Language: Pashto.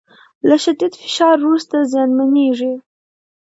له شدید فشار وروسته زیانمنېږي